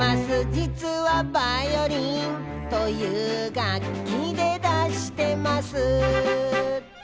「じつは『バイオリン』という楽器でだしてます」